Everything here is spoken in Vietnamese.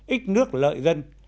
ít nước lợi dân